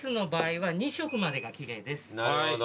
なるほど。